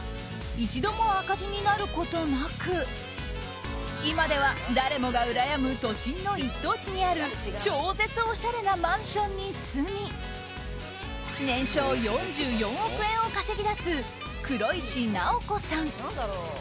一度も赤字になることなく今では、誰もがうらやむ都心の一等地にある超絶おしゃれなマンションに住み年商４４億円を稼ぎ出す黒石奈央子さん。